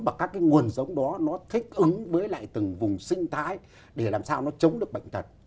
và các cái nguồn giống đó nó thích ứng với lại từng vùng sinh thái để làm sao nó chống được bệnh tật